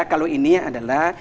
kalau ini adalah